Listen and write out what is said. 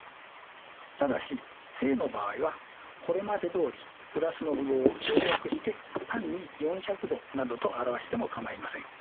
ただし正の場合はこれまでどおりプラスの符号を省略して単に４００°などと表しても構いません。